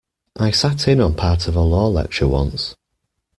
I sat in on part of a law lecture once.